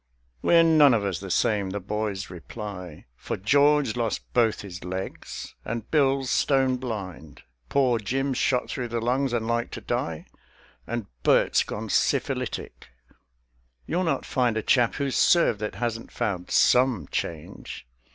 "We're none of us the same!" the boys reply. "For George lost both his legs; and Bill's stone blind; Poor Jim's shot through the lungs and like to die; And Bert's gone syphilitic: you'll not find A chap who's served that hasn't found some change."